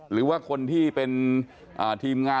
หรือว่าคนที่เป็นทีมงาน